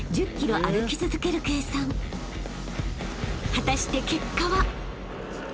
［果たして結果は？］